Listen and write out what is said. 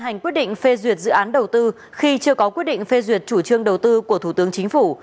hành quyết định phê duyệt dự án đầu tư khi chưa có quyết định phê duyệt chủ trương đầu tư của thủ tướng chính phủ